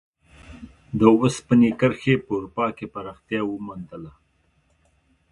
د اوسپنې کرښې په اروپا کې پراختیا وموندله.